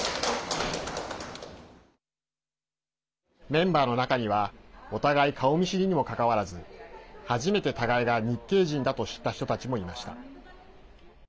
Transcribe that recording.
メンバーの中にはお互い顔見知りにもかかわらず初めて互いが日系人だと知った人たちもいました。